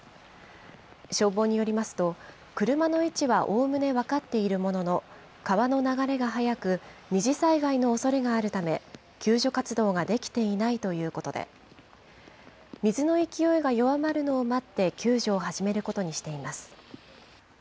消防によりますと、車の位置はおおむね分かっているものの、川の流れが速く二次災害のおそれがあるため、救助活動ができていないということで、水の勢いが弱まるのを待って、救助を始めることにしています。